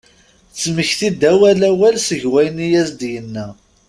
Tettmekti-d awal awal seg wayen i as-d-yenna.